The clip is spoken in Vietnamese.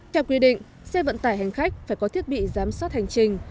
theo quy định xe vận tải hành khách phải có thiết bị giám sát hành trình